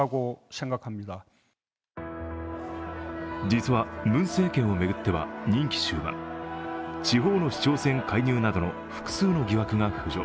実はムン政権を巡っては任期終盤、地方の市長選介入などの複数の疑惑が浮上。